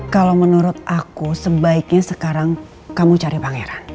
kalau menurut aku sebaiknya sekarang kamu cari pangeran